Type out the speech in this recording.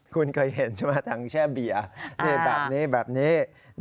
คุณเคยเห็นใช่ไหมทางแช่เบียร์แบบนี้แบบนี้